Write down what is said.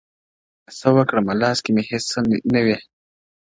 څه وکړمه لاس کي مي هيڅ څه نه وي;